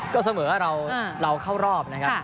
ก็เสมอเราเข้ารอบนะครับ